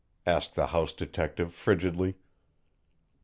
asked the house detective frigidly.